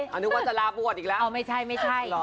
เอานึกว่าจะลาบวชอีกแล้วไม่ใช่ไม่ใช่เหรอ